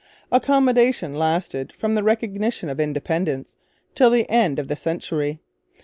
Accommodation lasted from the recognition of Independence till the end of the century.